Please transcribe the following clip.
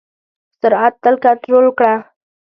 سرعت تل کنټرول کړه.